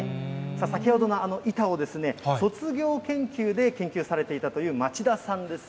先ほどのあの板を卒業研究で研究されていたという町田さんです。